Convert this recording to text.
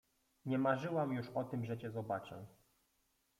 — Nie marzyłam już o tym, że cię zobaczę!